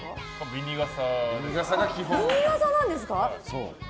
ビニ傘なんですか？